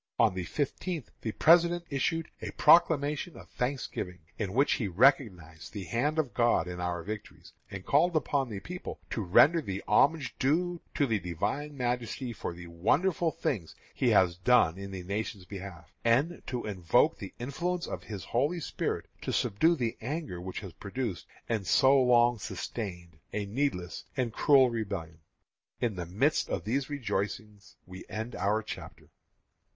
On the fifteenth the President issued a proclamation of Thanksgiving, in which he recognized the hand of God in our victories, and called upon the people to "render the homage due to the Divine Majesty for the wonderful things He has done in the nation's behalf, and to invoke the influence of His Holy Spirit to subdue the anger which has produced, and so long sustained, a needless and cruel rebellion." In the midst of these rejoicings we end our chapter.